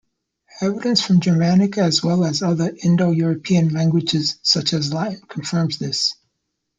Evidence from Germanic as well as other Indo-European languages such as Latin confirms this.